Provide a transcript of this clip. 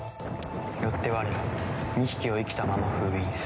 よって我ら２匹を生きたまま封印す」。